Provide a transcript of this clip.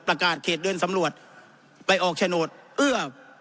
ประกาศเขตเดินสำรวจไปออกโฉนดเอื้อ